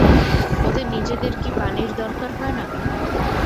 ওদের নিজেদের কি পানির দরকার হয় না?